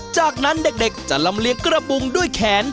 จากนั้นเด็กจะลำเลียงกระบุงด้วยแขน